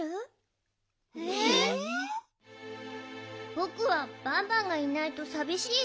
ぼくはバンバンがいないとさびしいよ。